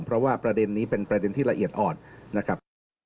เพราะว่าประเด็นนี้เป็นประเด็นที่ละเอียดอ่อนนะครับ